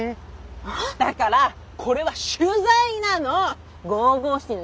だからこれは取材なの！